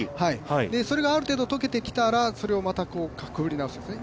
それがある程度溶けてきたら、それをまたかぶり直すんですね。